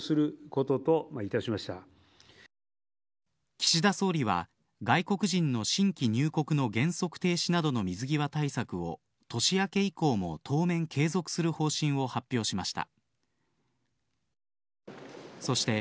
岸田総理は、外国人の新規入国の原則停止などの水際対策を年明け以降も当面継続する方針を発表しました。